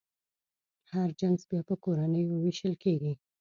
هر جنس بیا په کورنیو وېشل کېږي.